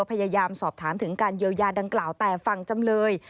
พยายามสอบถามถึงการเยียวยาดังกล่าวแต่ฝั่งจำเลย